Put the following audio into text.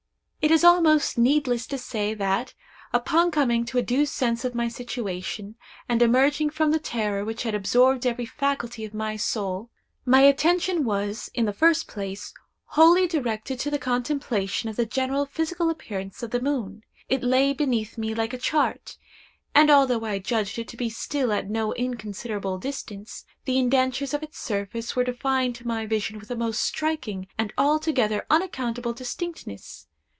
"It is almost needless to say that, upon coming to a due sense of my situation, and emerging from the terror which had absorbed every faculty of my soul, my attention was, in the first place, wholly directed to the contemplation of the general physical appearance of the moon. It lay beneath me like a chart—and although I judged it to be still at no inconsiderable distance, the indentures of its surface were defined to my vision with a most striking and altogether unaccountable distinctness.